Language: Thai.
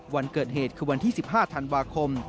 วันเกิดเหตุคือวันที่๑๕ธันวาคม